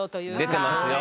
出てますよ。